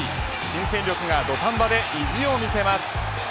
新戦力が土壇場で意地を見せます。